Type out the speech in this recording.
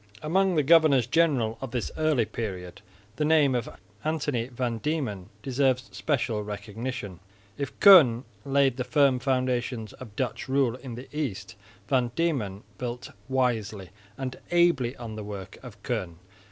Among the governors general of this early period the name of Antony van Diemen (1636 45) deserves special recognition. If Koen laid the firm foundations of Dutch rule in the East, Van Diemen built wisely and ably on the work of Koen.